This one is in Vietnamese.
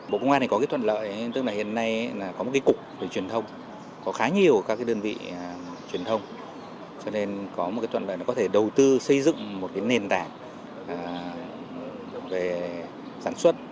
bộ công an thì có cái thuận lợi tức là hiện nay là có một cái cục về truyền thông có khá nhiều các đơn vị truyền thông cho nên có một cái thuận lợi là có thể đầu tư xây dựng một cái nền tảng về sản xuất